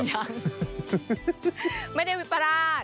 ยังไม่ได้วิปราช